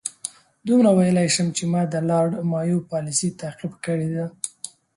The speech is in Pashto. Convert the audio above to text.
دومره ویلای شم چې ما د لارډ مایو پالیسي تعقیب کړې ده.